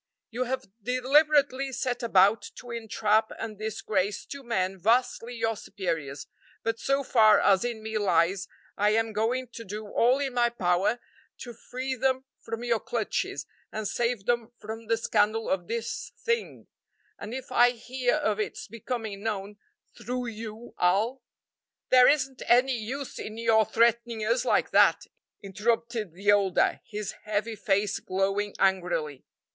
You have deliberately set about to entrap and disgrace two men vastly your superiors, but so far as in me lies I am going to do all in my power to free them from your clutches and save them from the scandal of this thing, and if I hear of its becoming known through you I'll " "There isn't any use in your threatening us like that," interrupted the older, his heavy face glowing angrily.